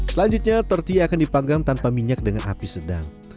selanjutnya tortil akan dipanggang tanpa minyak dengan api sedang